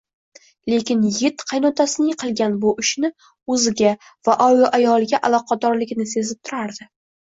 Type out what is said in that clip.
Lekin yigit qaynotasining qilgan bu ishini o'ziga va ayoliga aloqadorligini sezib turardi